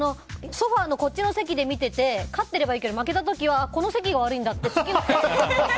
ソファのこっちの席で見てて勝ってればいいけど負けた時はこの席が悪いんだって。